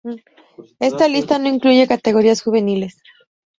Esta lista no incluye categorías juveniles.